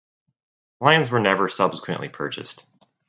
Lions were never subsequently purchased.